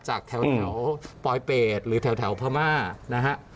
จากแถวปลอยเปรตหรือแถวพม่านะฮะ